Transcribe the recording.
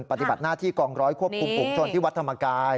ปฏิบัติหน้าที่กองร้อยควบคุมฝุงชนที่วัดธรรมกาย